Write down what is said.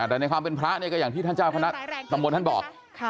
แต่ในความเป็นพระเนี่ยก็อย่างที่ท่านเจ้าคณะตำบลท่านบอก